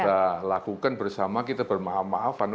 kita lakukan bersama kita bermaaf maafan